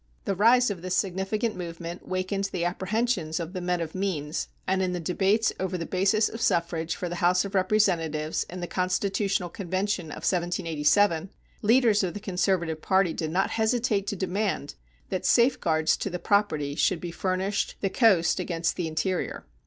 The rise of this significant movement wakened the apprehensions of the men of means, and in the debates over the basis of suffrage for the House of Representatives in the constitutional convention of 1787 leaders of the conservative party did not hesitate to demand that safeguards to the property should be furnished the coast against the interior.